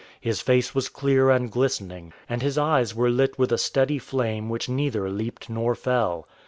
His face was clear and glistening, and his eyes were lit with a steady flame which neither leaped nor fell.